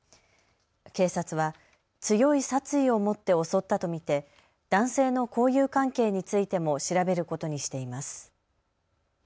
警察は強い殺意を持って襲ったと見て男性の交友関係についても調べることにしています。